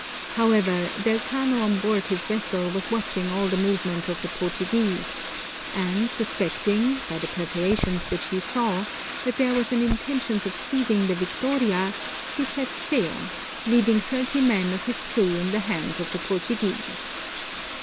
However, Del Cano on board his vessel was watching all the movements of the Portuguese, and suspecting, by the preparations which he saw, that there was an intention of seizing the Victoria, he set sail, leaving thirteen men of his crew in the hands of the Portuguese.